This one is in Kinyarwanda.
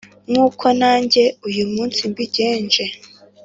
nk’uko nanjye uyu munsi mbigenje.